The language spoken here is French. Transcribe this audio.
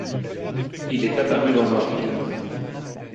Il est apparu dans un film.